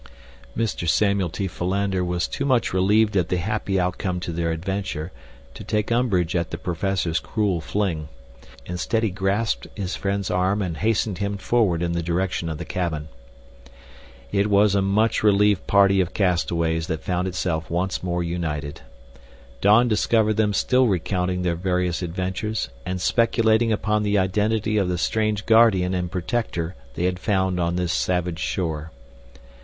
Mr. Samuel T. Philander was too much relieved at the happy outcome to their adventure to take umbrage at the professor's cruel fling. Instead he grasped his friend's arm and hastened him forward in the direction of the cabin. It was a much relieved party of castaways that found itself once more united. Dawn discovered them still recounting their various adventures and speculating upon the identity of the strange guardian and protector they had found on this savage shore.